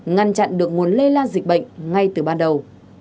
ngăn chặn được nguồn lây lan dịch bệnh ngay từ ban đầu